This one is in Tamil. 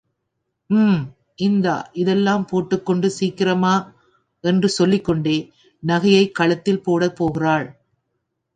உம், இந்தா இதெல்லாம் போட்டுக்கொண்டு சீக்கிரமா...... என்று சொல்லிக்கொண்டே நகையைக் கழுத்தில் போடப் போகிறாள்.